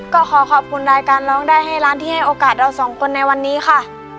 ก็ขอขอบคุณรายการร้องได้ให้ร้านที่ให้โอกาสเราสองคนในวันนี้ค่ะ